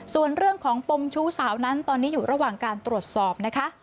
ส่วนเรื่องของปมชู้สาวนั้นตอนนี้อยู่ระหว่างการตรวจสอบนะคะ